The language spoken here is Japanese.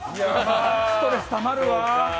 ストレスたまるわ。